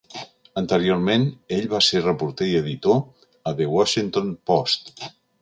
Anteriorment, ell va ser reporter i editor a "The Washington Post".